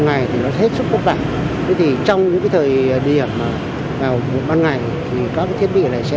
ngày thì nó hết sức khó khăn thế thì trong những cái thời điểm vào ban ngày thì các thiết bị này sẽ